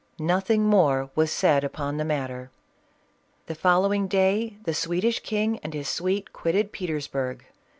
Nothing more was said upon the subject. The fol lowing day the Swedish king and his suite quitted Pe tersburg.